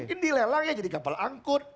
ini dilelang ya jadi kapal angkut